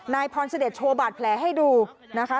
นายพรเสด็จโชว์บาดแผลให้ดูนะคะ